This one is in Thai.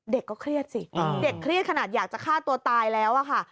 เด็กก็เครียดสิเด็กเครียดขนาดอยากจะฆ่าตัวตายแล้วอะค่ะ